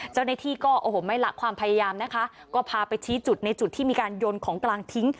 เจ้าหน้าที่ก็โอ้โหไม่ละความพยายามนะคะก็พาไปชี้จุดในจุดที่มีการโยนของกลางทิ้ง